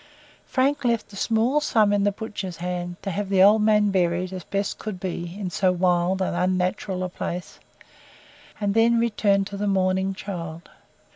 Frank left a small sum in the butcher's hands, to have the old man buried, as best could be, in so wild and unnatural a place, and then returned to the mourning child.